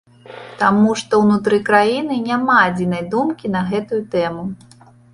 Таму што ўнутры краіны няма адзінай думкі на гэтую тэму.